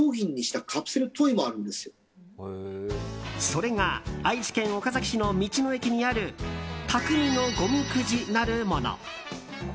それが愛知県岡崎市の道の駅にある匠のゴミくじなるもの。